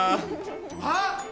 あっ！